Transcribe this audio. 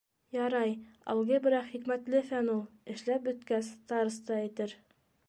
- Ярай, алгебра хикмәтле фән ул. Эшләп бөткәс, староста әйтер.